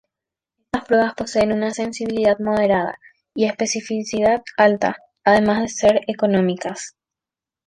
Estas pruebas poseen una sensibilidad moderada y especificidad alta, además de ser económicas.